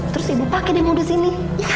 terus ibu pake deh modus ini